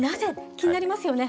気になりますよね。